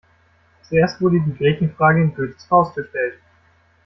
Zuerst wurde die Gretchenfrage in Goethes Faust gestellt.